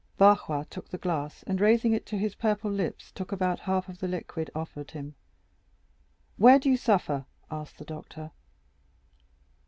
Barrois took the glass, and, raising it to his purple lips, took about half of the liquid offered him. "Where do you suffer?" asked the doctor.